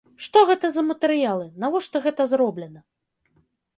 Што гэта за матэрыялы, навошта гэта зроблена?